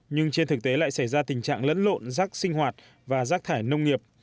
nhưng trên thực tế lại xảy ra tình trạng lẫn lộn rác sinh hoạt và rác thải nông nghiệp